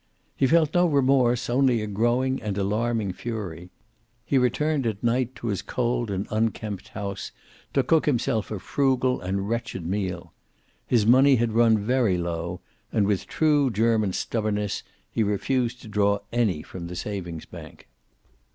He felt no remorse, only a growing and alarming fury. He returned at night, to his cold and unkempt house, to cook himself a frugal and wretched meal. His money had run very low, and with true German stubbornness he refused to draw any from the savings bank.